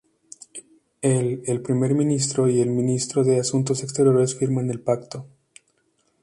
El el primer ministro y el ministro de Asuntos Exteriores firman el Pacto.